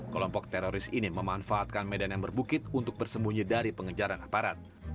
kelompok teroris ini memanfaatkan medan yang berbukit untuk bersembunyi dari pengejaran aparat